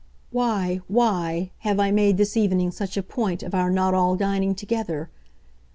"'Why, why' have I made this evening such a point of our not all dining together?